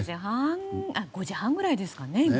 ５時半くらいですかね。